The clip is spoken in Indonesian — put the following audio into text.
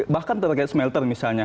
bahkan terkait smelter misalnya